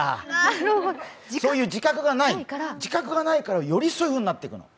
そういう自覚がないから、よりそういうふうになっていくの。